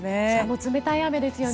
冷たい雨ですよね。